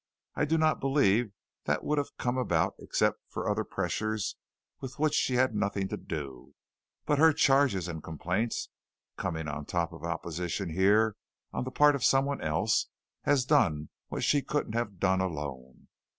I do not believe that would have come about except for other pressure with which she had nothing to do, but her charges and complaints, coming on top of opposition here on the part of someone else, has done what she couldn't have done alone.